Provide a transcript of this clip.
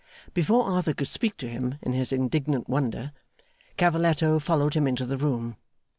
Before Arthur could speak to him in his indignant wonder, Cavalletto followed him into the room.